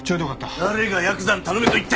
誰がヤクザに頼めと言った！